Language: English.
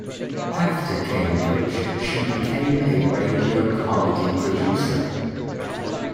After Cambridge she became a radio comedy producer.